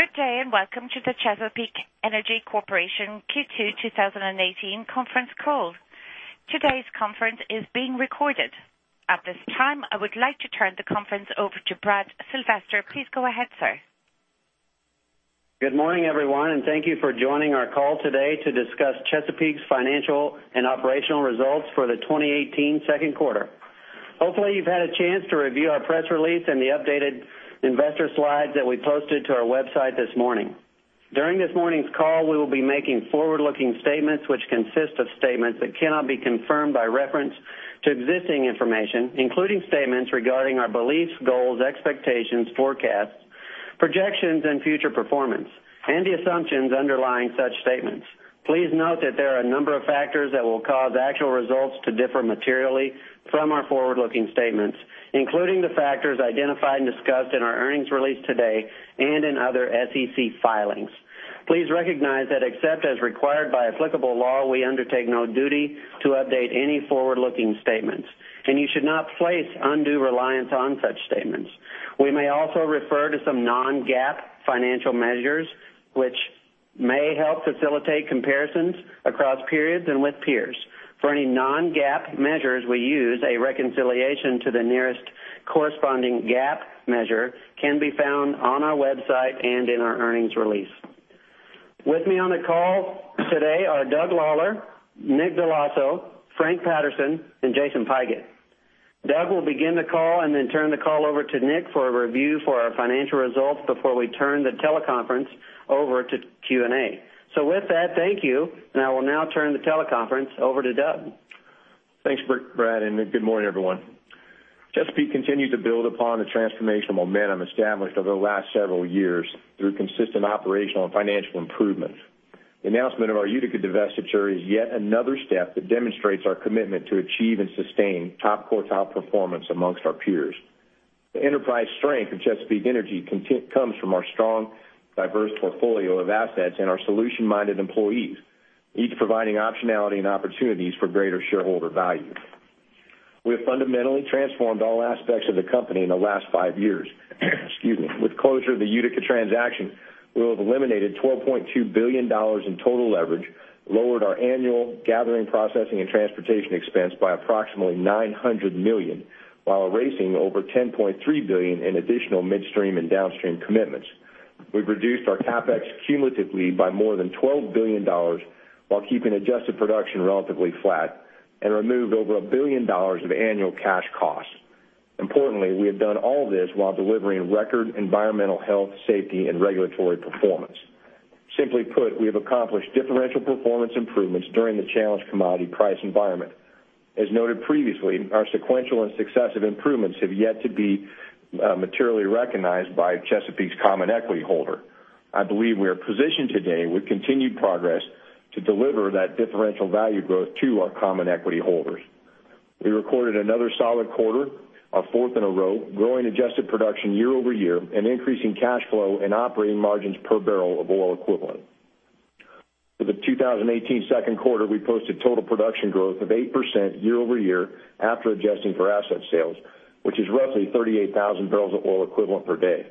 Good day. Welcome to the Chesapeake Energy Corporation Q2 2018 conference call. Today's conference is being recorded. At this time, I would like to turn the conference over to Brad Sylvester. Please go ahead, sir. Good morning, everyone. Thank you for joining our call today to discuss Chesapeake's financial and operational results for the 2018 second quarter. Hopefully, you've had a chance to review our press release and the updated investor slides that we posted to our website this morning. During this morning's call, we will be making forward-looking statements which consist of statements that cannot be confirmed by reference to existing information, including statements regarding our beliefs, goals, expectations, forecasts, projections, and future performance, and the assumptions underlying such statements. Please note that there are a number of factors that will cause actual results to differ materially from our forward-looking statements, including the factors identified and discussed in our earnings release today and in other SEC filings. Please recognize that, except as required by applicable law, we undertake no duty to update any forward-looking statements. You should not place undue reliance on such statements. We may also refer to some non-GAAP financial measures, which may help facilitate comparisons across periods and with peers. For any non-GAAP measures we use, a reconciliation to the nearest corresponding GAAP measure can be found on our website and in our earnings release. With me on the call today are Doug Lawler, Nick Dell'Osso, Frank Patterson, and Jason Pigott. Doug will begin the call. Then turn the call over to Nick for a review for our financial results before we turn the teleconference over to Q&A. With that, thank you. I will now turn the teleconference over to Doug. Thanks, Brad. Good morning, everyone. Chesapeake continued to build upon the transformational momentum established over the last several years through consistent operational and financial improvements. The announcement of our Utica divestiture is yet another step that demonstrates our commitment to achieve and sustain top quartile performance amongst our peers. The enterprise strength of Chesapeake Energy comes from our strong, diverse portfolio of assets and our solution-minded employees, each providing optionality and opportunities for greater shareholder value. We have fundamentally transformed all aspects of the company in the last 5 years. Excuse me. With closure of the Utica transaction, we'll have eliminated $12.2 billion in total leverage, lowered our annual gathering, processing, and transportation expense by approximately $900 million, while erasing over $10.3 billion in additional midstream and downstream commitments. We've reduced our CapEx cumulatively by more than $12 billion while keeping adjusted production relatively flat and removed over $1 billion of annual cash costs. Importantly, we have done all this while delivering record environmental, health, safety, and regulatory performance. Simply put, we have accomplished differential performance improvements during the challenged commodity price environment. As noted previously, our sequential and successive improvements have yet to be materially recognized by Chesapeake 's common equity holder. I believe we are positioned today with continued progress to deliver that differential value growth to our common equity holders. We recorded another solid quarter, our fourth in a row, growing adjusted production year-over-year and increasing cash flow and operating margins per barrel of oil equivalent. For the 2018 second quarter, we posted total production growth of 8% year-over-year after adjusting for asset sales, which is roughly 38,000 barrels of oil equivalent per day.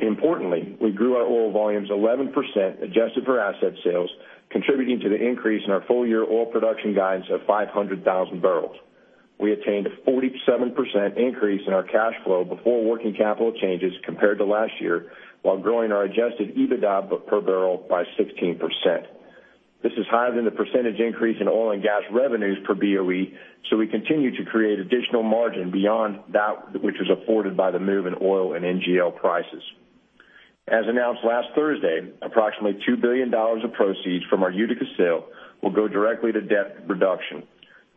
Importantly, we grew our oil volumes 11%, adjusted for asset sales, contributing to the increase in our full-year oil production guidance of 500,000 barrels. We attained a 47% increase in our cash flow before working capital changes compared to last year, while growing our adjusted EBITDA per barrel by 16%. This is higher than the percentage increase in oil and gas revenues per BOE, so we continue to create additional margin beyond that which is afforded by the move in oil and NGL prices. As announced last Thursday, approximately $2 billion of proceeds from our Utica sale will go directly to debt reduction,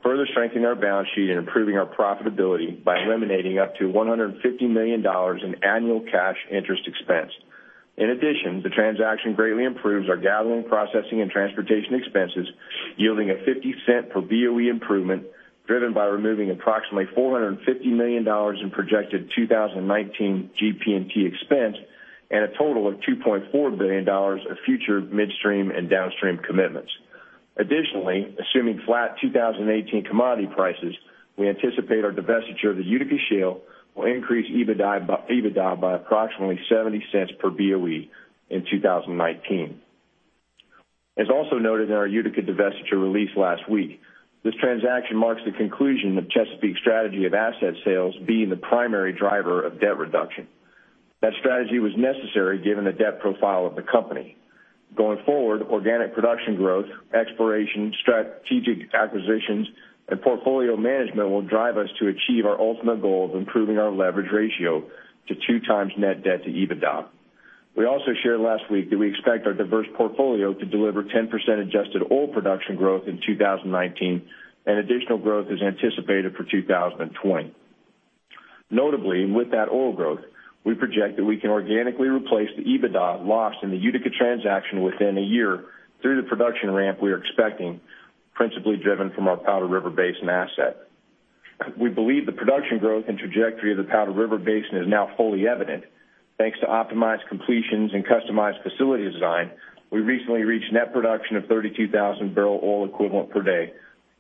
further strengthening our balance sheet and improving our profitability by eliminating up to $150 million in annual cash interest expense. In addition, the transaction greatly improves our gathering, processing, and transportation expenses, yielding a $0.50 per BOE improvement, driven by removing approximately $450 million in projected 2019 GP&T expense and a total of $2.4 billion of future midstream and downstream commitments. Additionally, assuming flat 2018 commodity prices, we anticipate our divestiture of the Utica shale will increase EBITDA by approximately $0.70 per BOE in 2019. As also noted in our Utica divestiture release last week, this transaction marks the conclusion of Chesapeake's strategy of asset sales being the primary driver of debt reduction. That strategy was necessary given the debt profile of the company. Going forward, organic production growth, exploration, strategic acquisitions, and portfolio management will drive us to achieve our ultimate goal of improving our leverage ratio to 2x net debt to EBITDA. We also shared last week that we expect our diverse portfolio to deliver 10% adjusted oil production growth in 2019, and additional growth is anticipated for 2020. Notably, with that oil growth, we project that we can organically replace the EBITDA lost in the Utica transaction within a year through the production ramp we are expecting, principally driven from our Powder River Basin asset. We believe the production growth and trajectory of the Powder River Basin is now fully evident. Thanks to optimized completions and customized facility design, we recently reached net production of 32,000 barrel oil equivalent per day.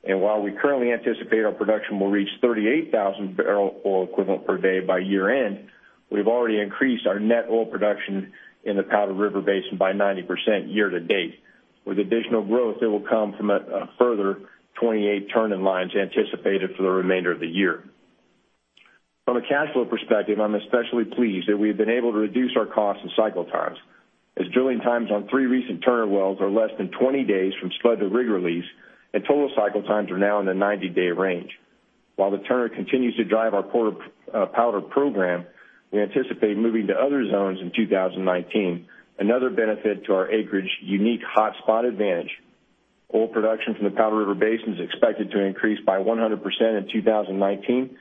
While we currently anticipate our production will reach 38,000 barrel oil equivalent per day by year-end, we've already increased our net oil production in the Powder River Basin by 90% year-to-date, with additional growth that will come from a further 28 Turner lines anticipated for the remainder of the year. From a cash flow perspective, I'm especially pleased that we've been able to reduce our costs and cycle times. As drilling times on three recent Turner wells are less than 20 days from spud to rig release, and total cycle times are now in the 90-day range. While the Turner continues to drive our Powder program, we anticipate moving to other zones in 2019, another benefit to our acreage unique hotspot advantage. Oil production from the Powder River Basin is expected to increase by 100% in 2019,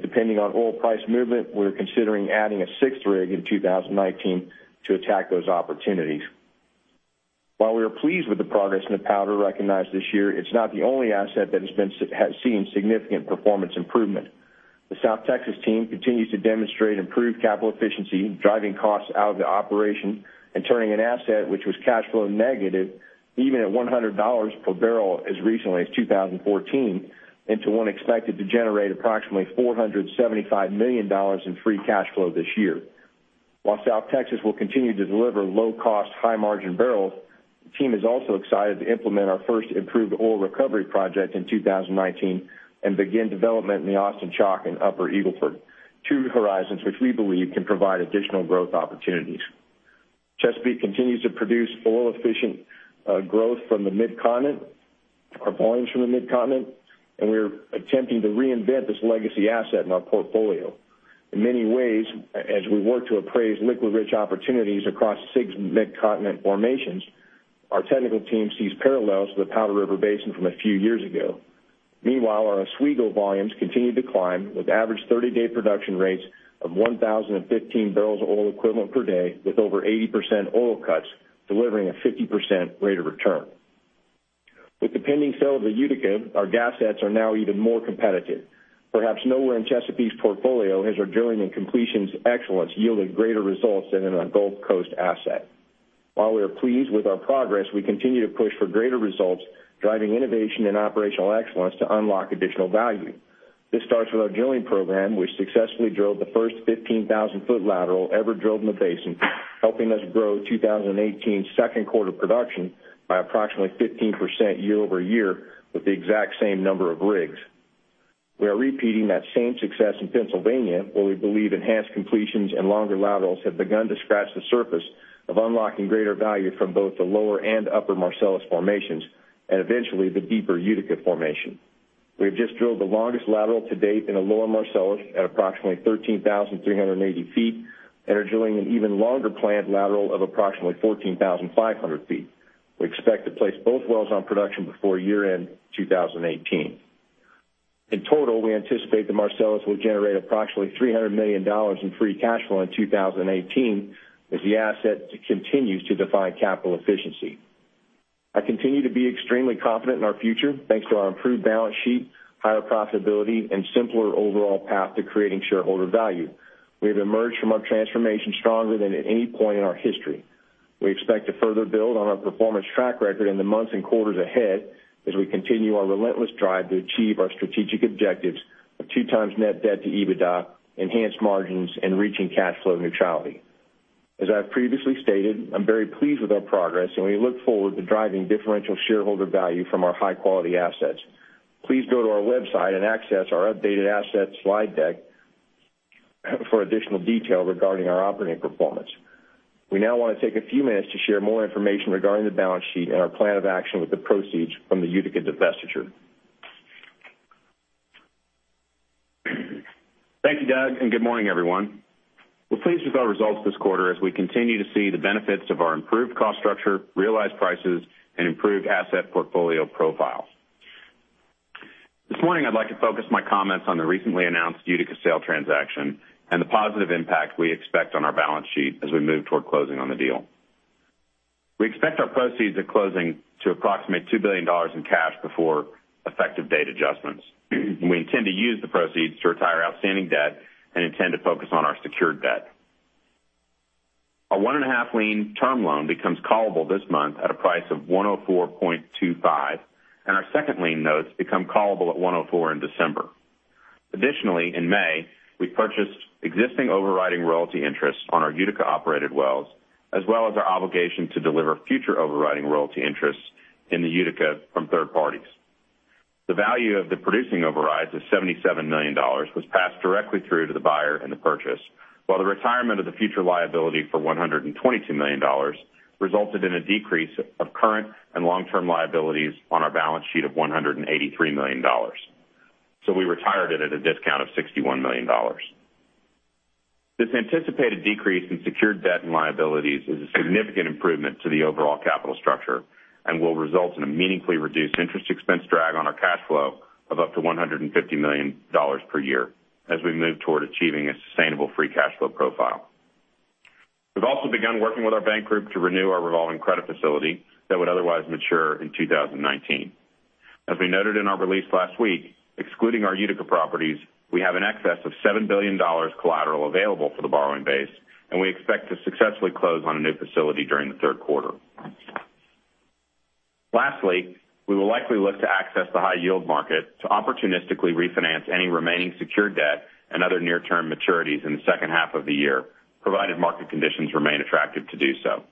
depending on oil price movement, we're considering adding a sixth rig in 2019 to attack those opportunities. While we are pleased with the progress in the Powder recognized this year, it's not the only asset that has seen significant performance improvement. The South Texas team continues to demonstrate improved capital efficiency, driving costs out of the operation, and turning an asset which was cash flow negative, even at $100 per barrel as recently as 2014, into one expected to generate approximately $475 million in free cash flow this year. While South Texas will continue to deliver low-cost, high-margin barrels, the team is also excited to implement our first improved oil recovery project in 2019 and begin development in the Austin Chalk and Upper Eagle Ford, two horizons which we believe can provide additional growth opportunities. Chesapeake continues to produce oil-efficient growth from the Mid-Continent, our volumes from the Mid-Continent. We're attempting to reinvent this legacy asset in our portfolio. In many ways, as we work to appraise liquid-rich opportunities across six Mid-Continent formations, our technical team sees parallels to the Powder River Basin from a few years ago. Meanwhile, our Oswego volumes continue to climb, with average 30-day production rates of 1,015 barrels of oil equivalent per day, with over 80% oil cuts, delivering a 50% rate of return. With the pending sale of the Utica, our gas assets are now even more competitive. Perhaps nowhere in Chesapeake's portfolio has our drilling and completions excellence yielded greater results than in our Gulf Coast asset. While we are pleased with our progress, we continue to push for greater results, driving innovation and operational excellence to unlock additional value. This starts with our drilling program, which successfully drilled the first 15,000-foot lateral ever drilled in the basin, helping us grow 2018's second quarter production by approximately 15% year-over-year with the exact same number of rigs. We are repeating that same success in Pennsylvania, where we believe enhanced completions and longer laterals have begun to scratch the surface of unlocking greater value from both the lower and upper Marcellus formations, and eventually the deeper Utica formation. We have just drilled the longest lateral to date in the lower Marcellus at approximately 13,380 feet. Are drilling an even longer planned lateral of approximately 14,500 feet. We expect to place both wells on production before year-end 2018. In total, we anticipate the Marcellus will generate approximately $300 million in free cash flow in 2018 as the asset continues to define capital efficiency. I continue to be extremely confident in our future, thanks to our improved balance sheet, higher profitability, and simpler overall path to creating shareholder value. We have emerged from our transformation stronger than at any point in our history. We expect to further build on our performance track record in the months and quarters ahead, as we continue our relentless drive to achieve our strategic objectives of 2 times net debt to EBITDA, enhanced margins, and reaching cash flow neutrality. As I have previously stated, I'm very pleased with our progress, and we look forward to driving differential shareholder value from our high-quality assets. Please go to our website and access our updated asset slide deck for additional detail regarding our operating performance. We now want to take a few minutes to share more information regarding the balance sheet and our plan of action with the proceeds from the Utica divestiture. Thank you, Doug. Good morning, everyone. We're pleased with our results this quarter as we continue to see the benefits of our improved cost structure, realized prices, and improved asset portfolio profile. This morning, I'd like to focus my comments on the recently announced Utica sale transaction and the positive impact we expect on our balance sheet as we move toward closing on the deal. We expect our proceeds at closing to approximate $2 billion in cash before effective date adjustments. We intend to use the proceeds to retire outstanding debt and intend to focus on our secured debt. Our one and a half lien term loan becomes callable this month at a price of 104.25, and our second lien notes become callable at 104 in December. In May, we purchased existing overriding royalty interests on our Utica-operated wells, as well as our obligation to deliver future overriding royalty interests in the Utica from third parties. The value of the producing overrides is $77 million, was passed directly through to the buyer in the purchase, while the retirement of the future liability for $122 million resulted in a decrease of current and long-term liabilities on our balance sheet of $183 million. We retired it at a discount of $61 million. This anticipated decrease in secured debt and liabilities is a significant improvement to the overall capital structure and will result in a meaningfully reduced interest expense drag on our cash flow of up to $150 million per year as we move toward achieving a sustainable free cash flow profile. We've also begun working with our bank group to renew our revolving credit facility that would otherwise mature in 2019. As we noted in our release last week. Excluding our Utica properties, we have an excess of $7 billion collateral available for the borrowing base, and we expect to successfully close on a new facility during the third quarter. Lastly, we will likely look to access the high yield market to opportunistically refinance any remaining secured debt and other near-term maturities in the second half of the year, provided market conditions remain attractive to do so.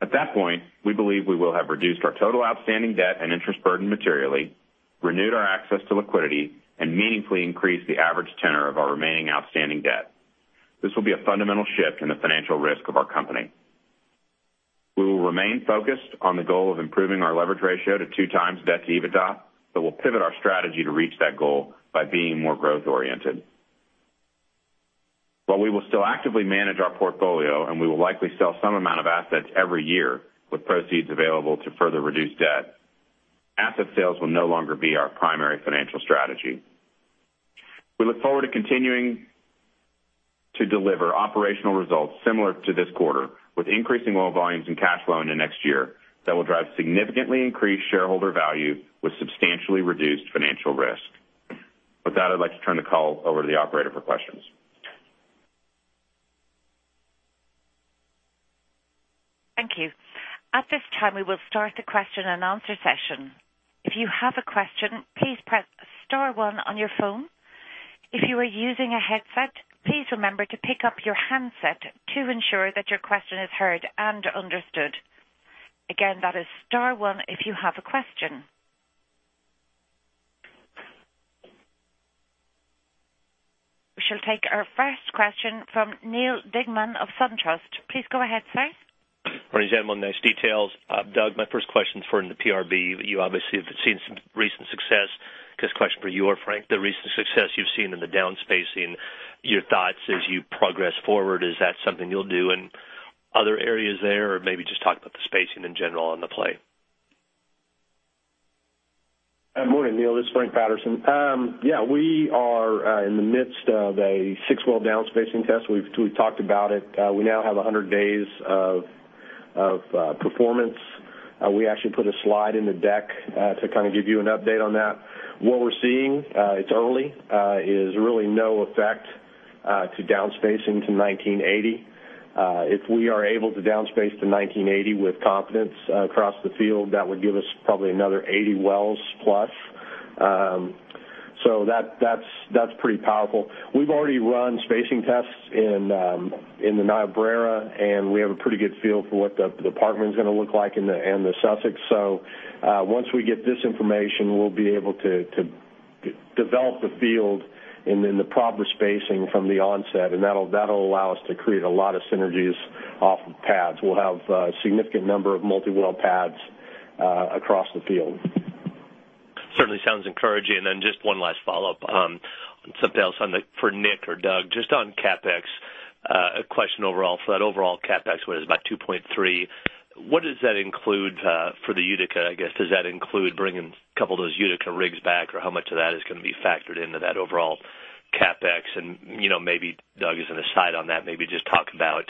At that point, we believe we will have reduced our total outstanding debt and interest burden materially, renewed our access to liquidity, and meaningfully increased the average tenor of our remaining outstanding debt. This will be a fundamental shift in the financial risk of our company. We will remain focused on the goal of improving our leverage ratio to two times debt to EBITDA, we'll pivot our strategy to reach that goal by being more growth-oriented. While we will still actively manage our portfolio, we will likely sell some amount of assets every year with proceeds available to further reduce debt, asset sales will no longer be our primary financial strategy. We look forward to continuing to deliver operational results similar to this quarter, with increasing oil volumes and cash flow into next year that will drive significantly increased shareholder value with substantially reduced financial risk. With that, I'd like to turn the call over to the operator for questions. Thank you. At this time, we will start the question and answer session. If you have a question, please press *1 on your phone. If you are using a headset, please remember to pick up your handset to ensure that your question is heard and understood. Again, that is *1 if you have a question. We shall take our first question from Neal Dingmann of SunTrust. Please go ahead, sir. Morning, gentlemen. Nice details. Doug, my first question is for the PRB. You obviously have seen some recent success. Guess the question for you or Frank, the recent success you've seen in the downspacing, your thoughts as you progress forward, is that something you'll do in other areas there? Maybe just talk about the spacing in general on the play. Good morning, Neal. This is Frank Patterson. Yeah, we are in the midst of a six-well downspacing test. We've talked about it. We now have 100 days of performance. We actually put a slide in the deck to give you an update on that. What we're seeing, it's early, is really no effect to downspacing to 1980. If we are able to downspace to 1980 with confidence across the field, that would give us probably another 80 wells plus. That's pretty powerful. We've already run spacing tests in the Niobrara, and we have a pretty good feel for what the development's going to look like in the Sussex. Once we get this information, we'll be able to develop the field and in the proper spacing from the onset, and that'll allow us to create a lot of synergies off of pads. We'll have a significant number of multi-well pads across the field. Certainly sounds encouraging. Just one last follow-up. Something else for Nick or Doug, just on CapEx, a question overall for that overall CapEx, what is it, about $2.3? What does that include for the Utica, I guess? Does that include bringing a couple of those Utica rigs back, or how much of that is going to be factored into that overall CapEx? Maybe Doug, as an aside on that, maybe just talk about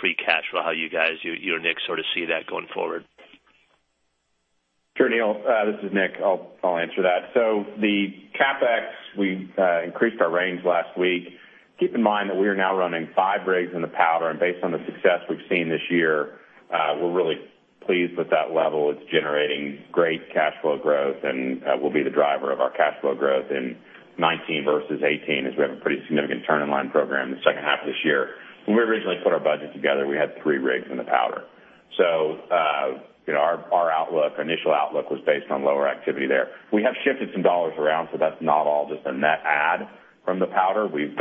free cash flow, how you guys, you and Nick see that going forward. Sure, Neal. This is Nick. I'll answer that. The CapEx, we increased our range last week. Keep in mind that we are now running five rigs in the Powder, and based on the success we've seen this year, we're really pleased with that level. It's generating great cash flow growth and will be the driver of our cash flow growth in 2019 versus 2018, as we have a pretty significant turn in line program in the second half of this year. When we originally put our budget together, we had three rigs in the Powder. Our initial outlook was based on lower activity there. We have shifted some dollars around, that's not all just a net add from the Powder. We've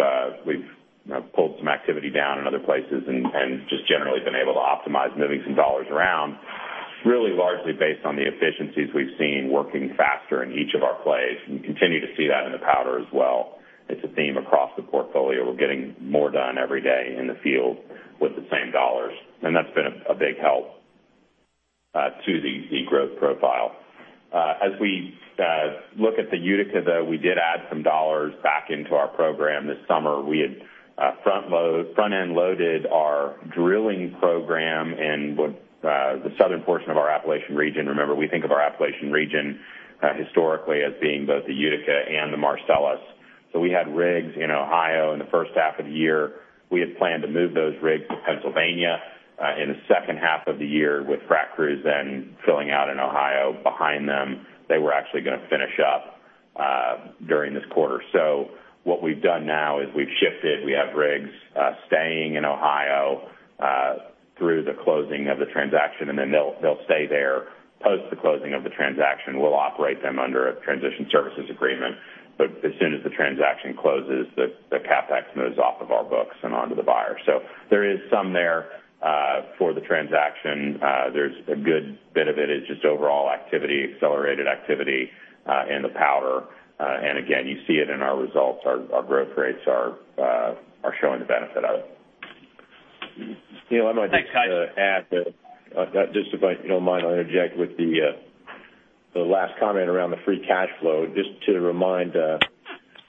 pulled some activity down in other places and just generally been able to optimize moving some dollars around, really largely based on the efficiencies we've seen working faster in each of our plays. We continue to see that in the Powder as well. It's a theme across the portfolio. We're getting more done every day in the field with the same dollars, and that's been a big help to the growth profile. As we look at the Utica, though, we did add some dollars back into our program this summer. We had front-end loaded our drilling program in the southern portion of our Appalachian region. Remember, we think of our Appalachian region historically as being both the Utica and the Marcellus. We had rigs in Ohio in the first half of the year. We had planned to move those rigs to Pennsylvania in the second half of the year with frac crews then filling out in Ohio behind them. They were actually going to finish up during this quarter. What we've done now is we've shifted. We have rigs staying in Ohio through the closing of the transaction, and then they'll stay there post the closing of the transaction. We'll operate them under a transition services agreement. As soon as the transaction closes, the CapEx moves off of our books and onto the buyer. There is some there for the transaction. There's a good bit of it is just overall activity, accelerated activity in the Powder. Again, you see it in our results. Our growth rates are showing the benefit of it. Thanks, guys. Neal, I might just add that, just if you don't mind, I'll interject with the last comment around the free cash flow. Just to remind.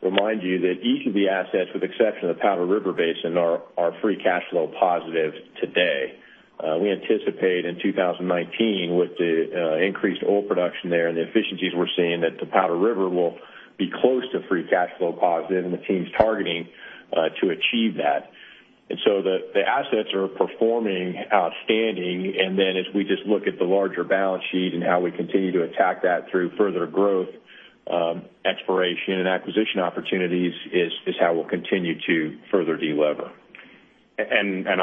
Remind you that each of the assets, with exception of the Powder River Basin, are free cash flow positive today. We anticipate in 2019 with the increased oil production there and the efficiencies we're seeing, that the Powder River will be close to free cash flow positive, the team's targeting to achieve that. The assets are performing outstanding, as we just look at the larger balance sheet and how we continue to attack that through further growth, exploration, and acquisition opportunities is how we'll continue to further de-lever.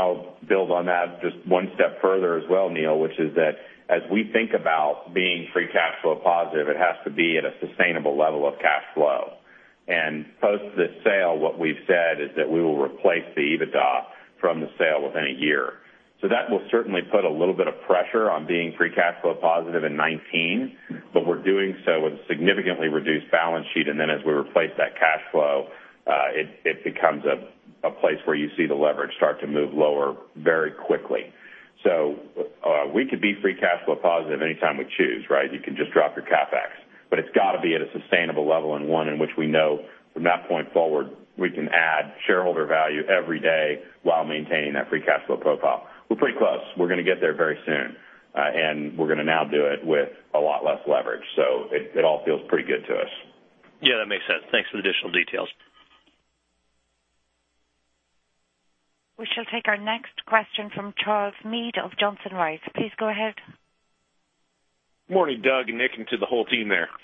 I'll build on that just one step further as well, Neal, which is that as we think about being free cash flow positive, it has to be at a sustainable level of cash flow. Post the sale, what we've said is that we will replace the EBITDA from the sale within a year. That will certainly put a little bit of pressure on being free cash flow positive in 2019. We're doing so with a significantly reduced balance sheet, as we replace that cash flow, it becomes a place where you see the leverage start to move lower very quickly. We could be free cash flow positive anytime we choose, right? You can just drop your CapEx. It's got to be at a sustainable level, and one in which we know from that point forward, we can add shareholder value every day while maintaining that free cash flow profile. We're pretty close. We're going to get there very soon. We're going to now do it with a lot less leverage. It all feels pretty good to us. Yeah, that makes sense. Thanks for the additional details. We shall take our next question from Charles Meade of Johnson Rice. Please go ahead. Morning, Doug and Nick, to the whole team there. Morning, Charles.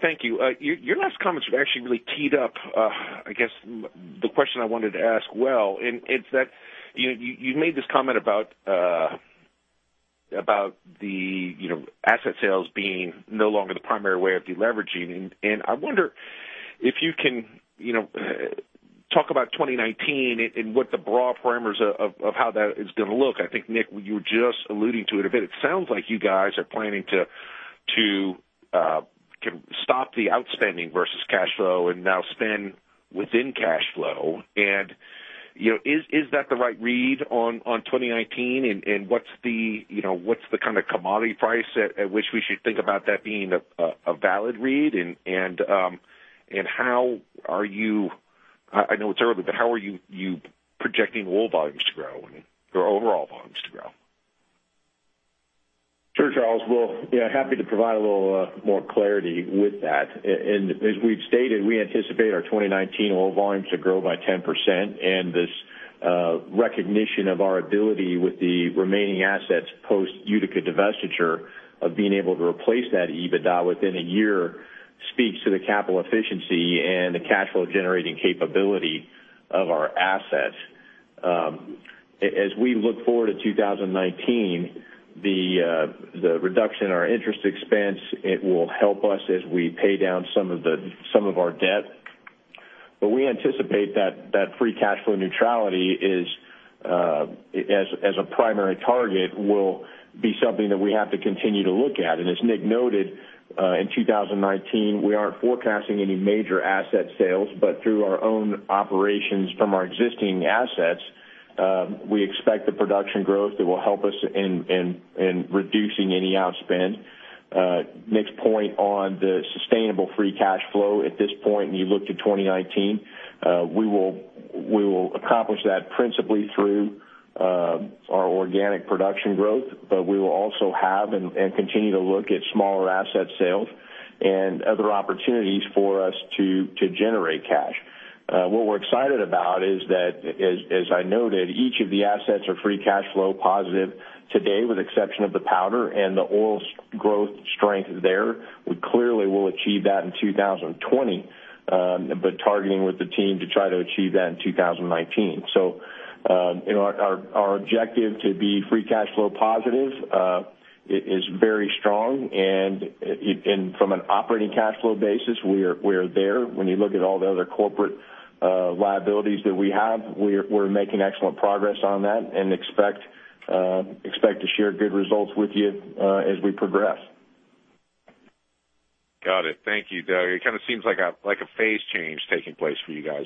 Thank you. Your last comments actually really teed up I guess the question I wanted to ask well, and it's that you made this comment about the asset sales being no longer the primary way of deleveraging. I wonder if you can talk about 2019 and what the broad parameters of how that is going to look. I think, Nick, you were just alluding to it a bit. It sounds like you guys are planning to stop the outspending versus cash flow and now spend within cash flow. Is that the right read on 2019? What's the kind of commodity price at which we should think about that being a valid read? How are you, I know it's early, but how are you projecting oil volumes to grow? I mean, your overall volumes to grow? Sure, Charles. Well, happy to provide a little more clarity with that. As we've stated, we anticipate our 2019 oil volumes to grow by 10%, and this recognition of our ability with the remaining assets post Utica divestiture of being able to replace that EBITDA within a year speaks to the capital efficiency and the cash flow-generating capability of our assets. As we look forward to 2019, the reduction in our interest expense, it will help us as we pay down some of our debt. We anticipate that free cash flow neutrality as a primary target will be something that we have to continue to look at. As Nick noted, in 2019, we aren't forecasting any major asset sales, but through our own operations from our existing assets, we expect the production growth that will help us in reducing any outspend. Nick's point on the sustainable free cash flow at this point, and you look to 2019, we will accomplish that principally through our organic production growth, but we will also have and continue to look at smaller asset sales and other opportunities for us to generate cash. What we're excited about is that, as I noted, each of the assets are free cash flow positive today, with exception of the Powder, and the oil growth strength there. We clearly will achieve that in 2020, but targeting with the team to try to achieve that in 2019. Our objective to be free cash flow positive is very strong, and from an operating cash flow basis, we're there. When you look at all the other corporate liabilities that we have, we're making excellent progress on that and expect to share good results with you as we progress. Got it. Thank you, Doug. It kind of seems like a phase change taking place for you guys.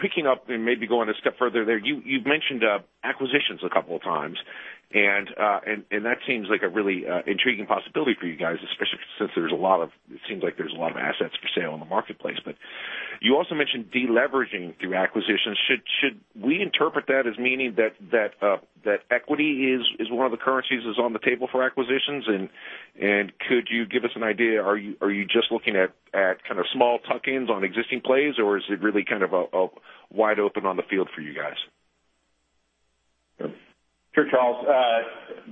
Picking up and maybe going a step further there, you've mentioned acquisitions a couple of times, and that seems like a really intriguing possibility for you guys, especially since it seems like there's a lot of assets for sale in the marketplace. You also mentioned de-leveraging through acquisitions. Should we interpret that as meaning that equity is one of the currencies that's on the table for acquisitions? Could you give us an idea, are you just looking at kind of small tuck-ins on existing plays, or is it really kind of wide open on the field for you guys? Sure, Charles.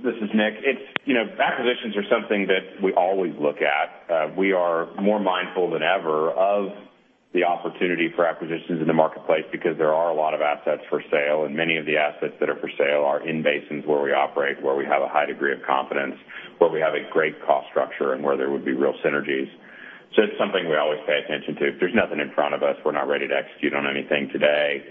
This is Nick. Acquisitions are something that we always look at. We are more mindful than ever of the opportunity for acquisitions in the marketplace because there are a lot of assets for sale, and many of the assets that are for sale are in basins where we operate, where we have a high degree of confidence, where we have a great cost structure, and where there would be real synergies. It's something we always pay attention to. There's nothing in front of us. We're not ready to execute on anything today.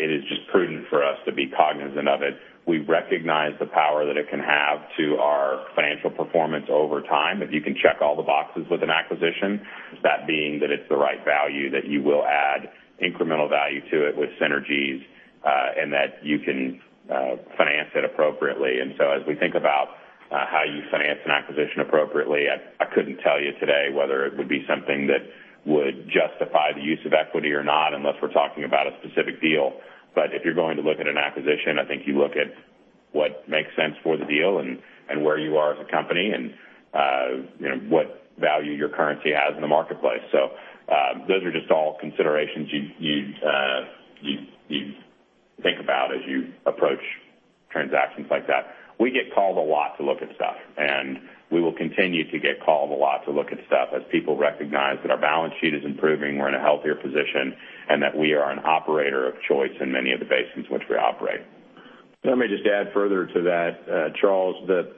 It is just prudent for us to be cognizant of it. We recognize the power that it can have to our financial performance over time. If you can check all the boxes with an acquisition, that being that it's the right value, that you will add incremental value to it with synergies, and that you can finance it appropriately. As we think about how you finance an acquisition appropriately. I couldn't tell you today whether it would be something that would justify the use of equity or not, unless we're talking about a specific deal. If you're going to look at an acquisition, I think you look at what makes sense for the deal and where you are as a company and what value your currency has in the marketplace. Those are just all considerations you think about as you approach transactions like that. We get called a lot to look at stuff, and we will continue to get called a lot to look at stuff as people recognize that our balance sheet is improving, we're in a healthier position, and that we are an operator of choice in many of the basins which we operate. Let me just add further to that, Charles, that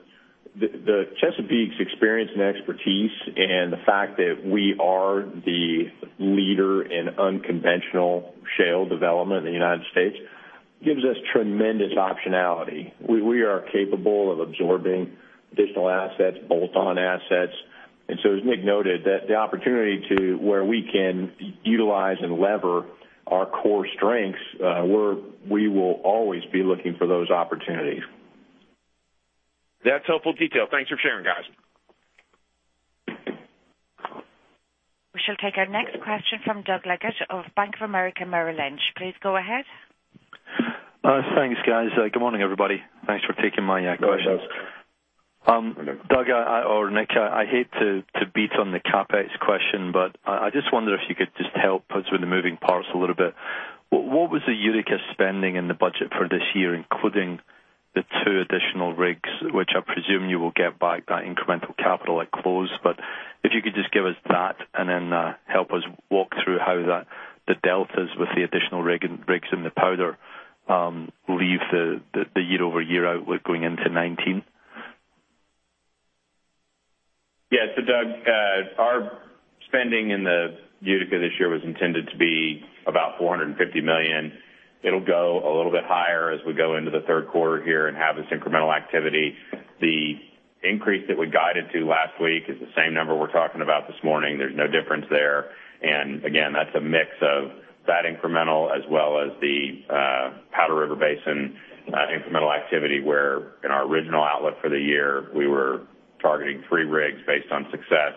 the Chesapeake's experience and expertise and the fact that we are the leader in unconventional shale development in the U.S. gives us tremendous optionality. We are capable of absorbing additional assets, bolt-on assets. As Nick noted, that the opportunity to where we can utilize and lever our core strengths, we will always be looking for those opportunities. That's helpful detail. Thanks for sharing, guys. We shall take our next question from Doug Leggate of Bank of America Merrill Lynch. Please go ahead. Thanks, guys. Good morning, everybody. Thanks for taking my questions. Good morning, Doug. Doug, or Nick, I hate to beat on the CapEx question, but I just wonder if you could just help us with the moving parts a little bit. What was the Utica spending in the budget for this year, including the two additional rigs, which I presume you will get back that incremental capital at close. If you could just give us that and then help us walk through how the deltas with the additional rigs in the Powder leave the year-over-year outlook going into 2019. Yeah. Doug, our spending in the Utica this year was intended to be about $450 million. It'll go a little bit higher as we go into the third quarter here and have this incremental activity. The increase that we guided to last week is the same number we're talking about this morning. There's no difference there. Again, that's a mix of that incremental as well as the Powder River Basin incremental activity, where in our original outlook for the year, we were targeting three rigs based on success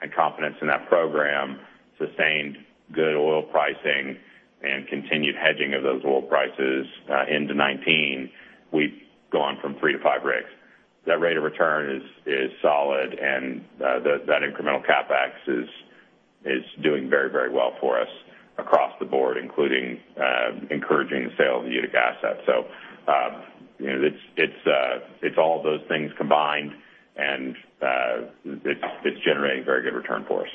and confidence in that program, sustained good oil pricing, and continued hedging of those oil prices into 2019. We've gone from three to five rigs. That rate of return is solid and that incremental CapEx is doing very well for us across the board, including encouraging the sale of the Utica asset. It's all those things combined, and it's generating very good return for us.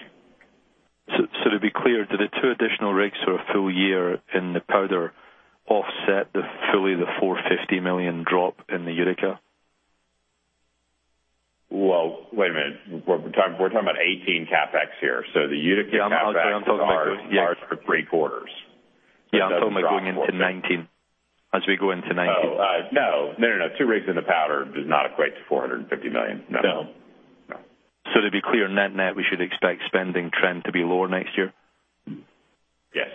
To be clear, do the two additional rigs for a full year in the Powder offset fully the $450 million drop in the Utica? Well, wait a minute. We're talking about 2018 CapEx here. The Utica CapEx- Yeah, I'm talking about. are three quarters. Yeah, I'm talking about going into 2019. We go into 2019. Oh. No. Two rigs in the Powder does not equate to $450 million. No. No. No. To be clear, net-net, we should expect spending trend to be lower next year? Yes.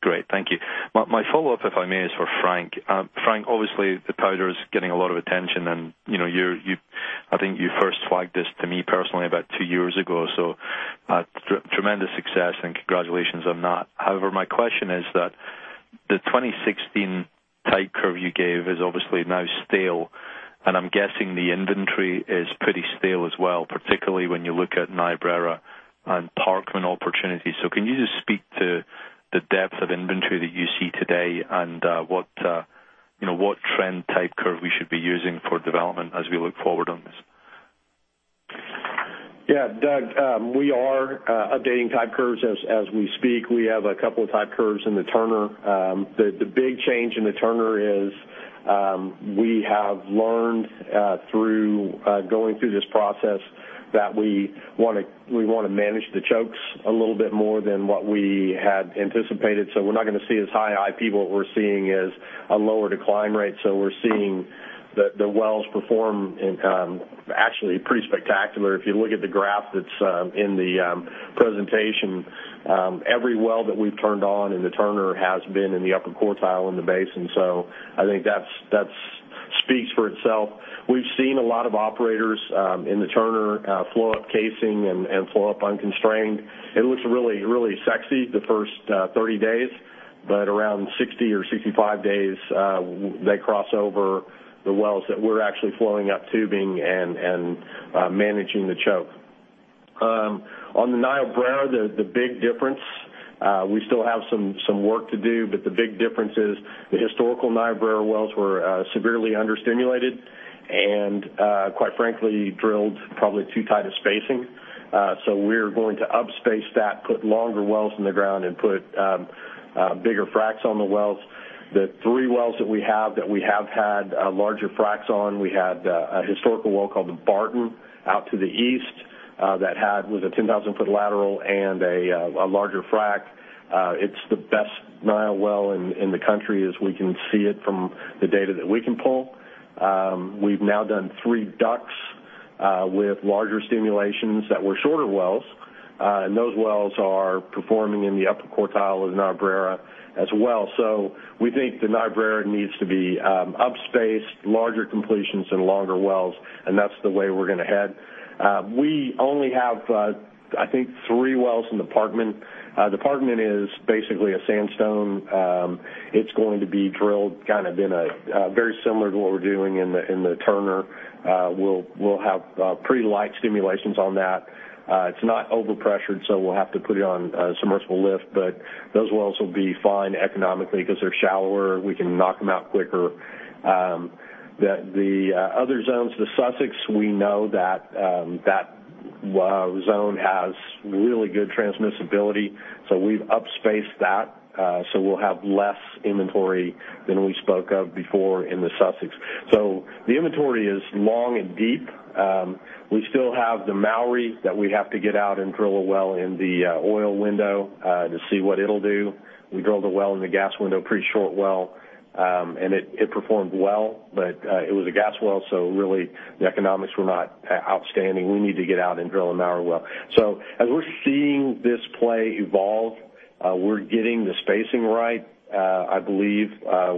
Great. Thank you. My follow-up, if I may, is for Frank. Frank, obviously, the Powder is getting a lot of attention, and I think you first flagged this to me personally about two years ago, tremendous success, and congratulations on that. However, my question is that the 2016 type curve you gave is obviously now stale, and I'm guessing the inventory is pretty stale as well, particularly when you look at Niobrara and Parkman opportunities. Can you just speak to the depth of inventory that you see today and what trend type curve we should be using for development as we look forward on this? Yeah. Doug, we are updating type curves as we speak. We have a couple of type curves in the Turner. The big change in the Turner is we have learned through going through this process that we want to manage the chokes a little bit more than what we had anticipated. We're not going to see as high IP. What we're seeing is a lower decline rate. We're seeing the wells perform actually pretty spectacular. If you look at the graph that's in the presentation, every well that we've turned on in the Turner has been in the upper quartile in the basin. I think that speaks for itself. We've seen a lot of operators in the Turner flow up casing and flow up unconstrained. It looks really sexy the first 30 days, but around 60 or 65 days, they cross over the wells that we're actually flowing up tubing and managing the choke. On the Niobrara, the big difference, we still have some work to do, but the big difference is the historical Niobrara wells were severely under-stimulated and, quite frankly, drilled probably too tight a spacing. We're going to up-space that, put longer wells in the ground, and put bigger fracs on the wells. The three wells that we have that we have had larger fracs on, we had a historical well called the Barton out to the east that had with a 10,000-foot lateral and a larger frac. It's the best Nio well in the country as we can see it from the data that we can pull. We've now done three DUCs with larger stimulations that were shorter wells, and those wells are performing in the upper quartile of the Niobrara as well. We think the Niobrara needs to be up spaced, larger completions and longer wells, and that's the way we're going to head. We only have, I think, three wells in the Parkman. The Parkman is basically a sandstone. It's going to be drilled very similar to what we're doing in the Turner. We'll have pretty light stimulations on that. It's not over-pressured, so we'll have to put it on a submersible lift. Those wells will be fine economically because they're shallower. We can knock them out quicker. The other zones, the Sussex, we know that zone has really good transmissibility, so we've up spaced that. We'll have less inventory than we spoke of before in the Sussex. The inventory is long and deep. We still have the Mowry that we have to get out and drill a well in the oil window to see what it'll do. We drilled a well in the gas window, pretty short well, and it performed well, but it was a gas well. Really, the economics were not outstanding. We need to get out and drill a Mowry well. As we're seeing this play evolve, we're getting the spacing right. I believe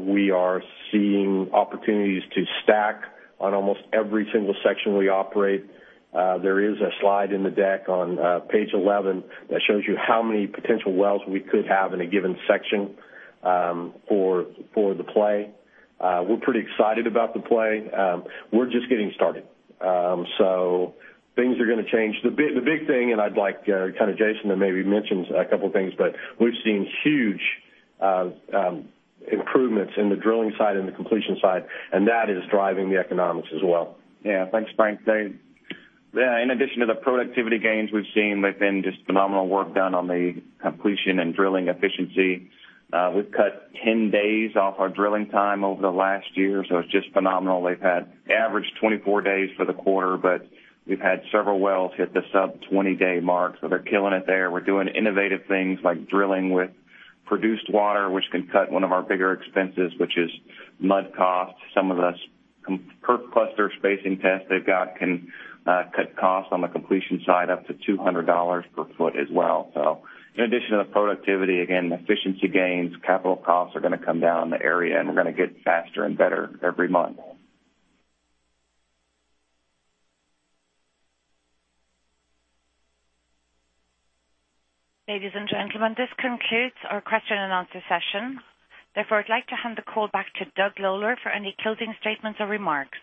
we are seeing opportunities to stack on almost every single section we operate. There is a slide in the deck on page 11 that shows you how many potential wells we could have in a given section for the play. We're pretty excited about the play. We're just getting started. Things are going to change. The big thing, I'd like Jason to maybe mention a couple of things, We've seen huge improvements in the drilling side and the completion side. That is driving the economics as well. Yeah, thanks, Frank. In addition to the productivity gains we've seen, they've been just phenomenal work done on the completion and drilling efficiency. We've cut 10 days off our drilling time over the last year. It's just phenomenal. They've had average 24 days for the quarter, We've had several wells hit the sub 20-day mark. They're killing it there. We're doing innovative things like drilling with produced water, which can cut one of our bigger expenses, which is mud cost. Some of the per cluster spacing tests they've got can cut costs on the completion side up to $200 per foot as well. In addition to the productivity, again, efficiency gains, capital costs are going to come down in the area, We're going to get faster and better every month. Ladies and gentlemen, this concludes our question and answer session. I'd like to hand the call back to Doug Lawler for any closing statements or remarks.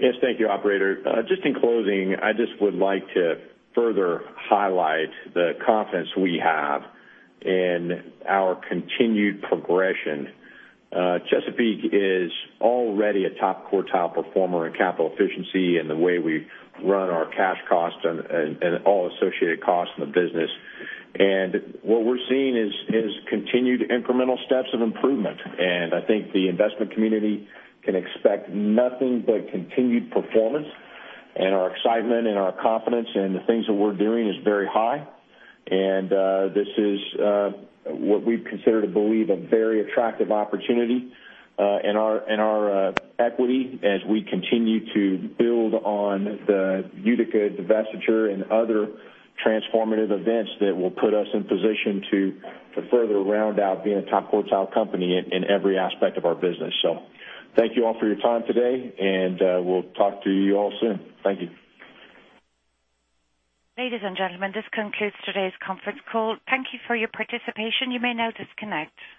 Yes, thank you, operator. Just in closing, I just would like to further highlight the confidence we have in our continued progression. Chesapeake is already a top quartile performer in capital efficiency and the way we run our cash costs and all associated costs in the business. What we're seeing is continued incremental steps of improvement, and I think the investment community can expect nothing but continued performance. Our excitement and our confidence in the things that we're doing is very high. This is what we consider to believe a very attractive opportunity in our equity as we continue to build on the Utica divestiture and other transformative events that will put us in position to further round out being a top quartile company in every aspect of our business. Thank you all for your time today, and we'll talk to you all soon. Thank you. Ladies and gentlemen, this concludes today's conference call. Thank you for your participation. You may now disconnect.